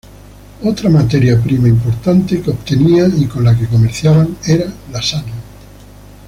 Otra materia prima importante que obtenían y con la que comerciaban era la sal.